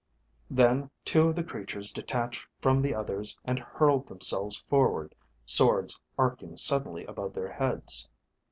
Then two of the creatures detached from the others and hurled themselves forward, swords arcing suddenly above their heads.